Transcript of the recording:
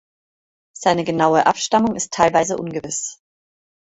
Seine genaue Abstammung ist teilweise ungewiss.